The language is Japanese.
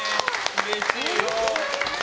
うれしいよ。